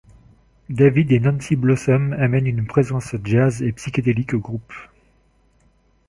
David et Nancy Blossom amènent une présence jazz et psychédélique au groupe.